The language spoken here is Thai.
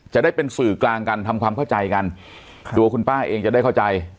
จะได้เป็นสื่อกลางกันทำความเข้าใจกันตัวคุณป้าเองจะได้เข้าใจ